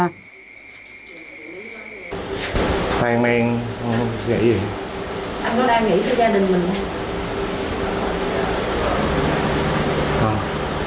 anh có đang nghỉ chơi ra đường mình không